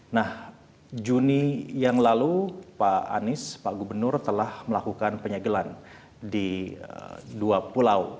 nah juni yang lalu pak anies pak gubernur telah melakukan penyegelan di dua pulau